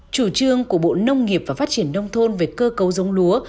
chủ trương của bộ nông nghiệp và phát triển nông thôn về cơ cấu giống lúa